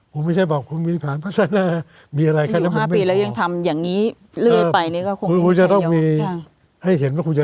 ผมไม่ใช่บอกคุณมีผ่านพัฒนามีอะไรค่ะผมไม่รู้